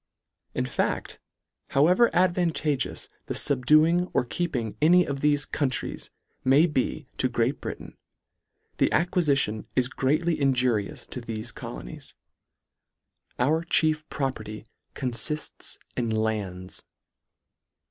In facl, however advantageous thefubduing or keeping any of thefe countries may be to Great Britain, the acquiiition is greatly inju rious to thefe colonies. Our chief property confifts in lands.